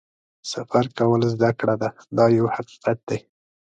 سفر کول زده کړه ده دا یو حقیقت دی.